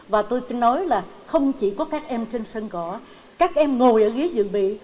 và tôi nói là không chỉ có các em trên sân cỏ các em ngồi ở ghế dựng bị